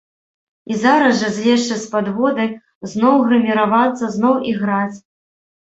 І зараз жа, злезшы з падводы, зноў грыміравацца, зноў іграць.